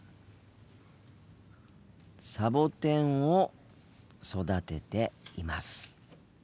サボテンを育てています。